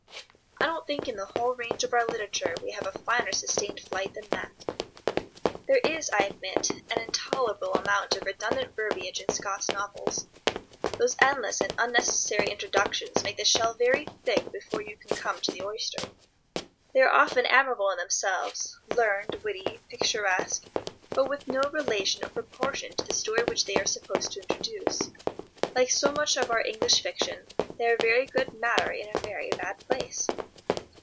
I don't think in the whole range of our literature we have a finer sustained flight than that. There is, I admit, an intolerable amount of redundant verbiage in Scott's novels. Those endless and unnecessary introductions make the shell very thick before you come to the oyster. They are often admirable in themselves, learned, witty, picturesque, but with no relation or proportion to the story which they are supposed to introduce. Like so much of our English fiction, they are very good matter in a very bad place.